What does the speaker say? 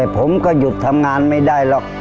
ผมก็หยุดทำงานไม่ได้หรอก